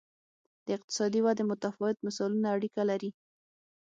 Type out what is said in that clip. د اقتصادي ودې متفاوت مثالونه اړیکه لري.